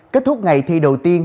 kết thúc ngày thi đầu tiên